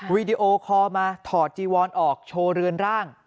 วีดีโอคอลมาถอดจีวอนออกโชว์เรือนร่าง